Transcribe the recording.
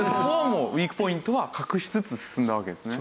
ウィークポイントは隠しつつ進んだわけですね。